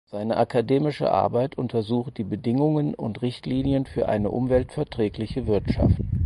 Seine akademische Arbeit untersucht die „Bedingungen und Richtlinien für eine umweltverträgliche Wirtschaft“.